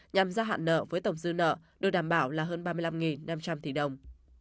nhằm gia hạn nợ với tổng dư nợ được đảm bảo là hơn ba mươi năm năm trăm linh tỷ đồng